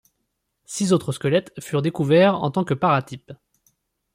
Six autres squelettes furent découverts en tant que paratypes.